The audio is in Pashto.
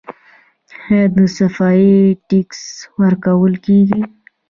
آیا د صفايي ټکس ورکول کیږي؟